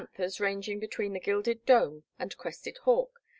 thers ranging between the Gilded Dome and Crested Hawk.